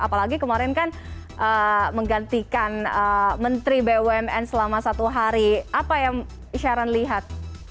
apalagi kemarin kan menggantikan menteri bumn selama satu hari apa yang sharon lihat